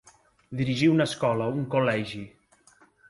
Dirigir una escola, un col·legi.